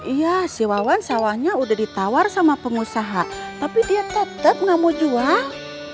iya si wawan sawahnya udah ditawar sama pengusaha tapi dia tetap nggak mau jual